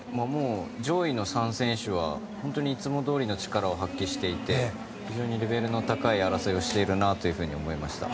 上位の３選手は本当にいつもどおりの力を発揮していて非常にレベルの高い争いをしているなと思いました。